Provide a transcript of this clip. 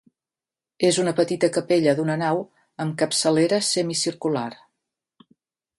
És una petita capella d'una nau amb capçalera semicircular.